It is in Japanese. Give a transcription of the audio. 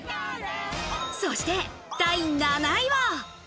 そして、第７位は。